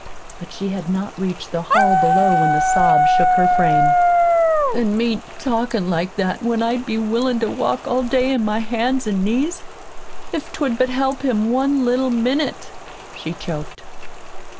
But she had not reached the hall below when the sobs shook her frame. "An' me talkin' like that when I'd be willin' to walk all day on my hands an' knees, if't would help him one little minute," she choked.